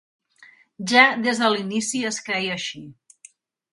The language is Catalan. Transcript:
Ja des de l'inici es creia així.